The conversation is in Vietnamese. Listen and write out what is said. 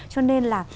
cho nên là